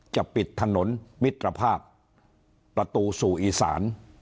จะปิดถนนมิตรภาพประตูสู่อีสาน